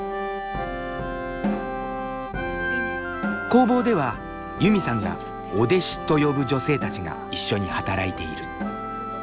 工房ではユミさんが「お弟子」と呼ぶ女性たちが一緒に働いている。